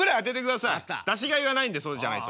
出しがいがないんでそうじゃないと。